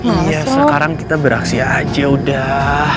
iya sekarang kita beraksi aja udah